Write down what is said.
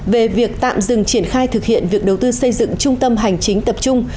về việc tạm dừng triển khai thực hiện việc đầu tư xây dựng trung tâm hành chính tập trung